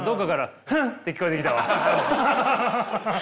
ハハハッ。